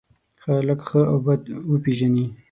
خلک ښه او بد وپېژني.